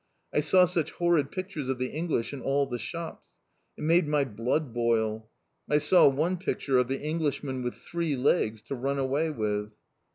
I saw such horrid pictures of the English in all the shops. It made my blood boil. I saw one picture of the Englishmen with _three legs to run away with!